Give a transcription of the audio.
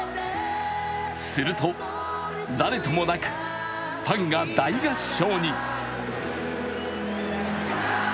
すると、誰ともなくファンが大合唱。